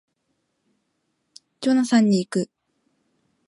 ジョナサンに行く